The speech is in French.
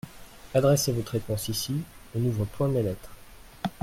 Adressez votre réponse ici : on n'ouvre point mes lettres.